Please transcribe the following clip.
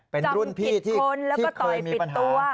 เป็นรุ่นพี่ที่เคยมีปัญหา